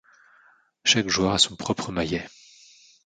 Chaque joueur a son propre maillet.